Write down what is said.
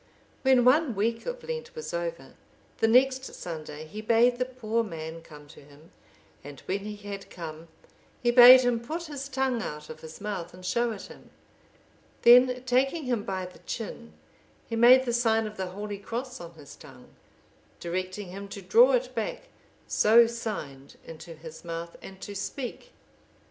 When one week of Lent was over, the next Sunday he bade the poor man come to him, and when he had come, he bade him put his tongue out of his mouth and show it him; then taking him by the chin, he made the sign of the Holy Cross on his tongue, directing him to draw it back so signed into his mouth and to speak.